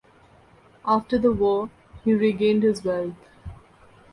After the war, he regained his wealth.